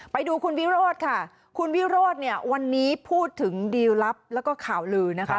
ไปดูคุณวิโรธค่ะคุณวิโรธเนี่ยวันนี้พูดถึงดีลลับแล้วก็ข่าวลือนะคะ